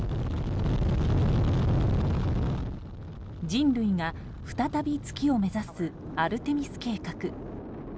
人類が再び月を目指すアルテミス計画。